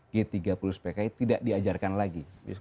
g tiga puluh spki tidak diajarkan lagi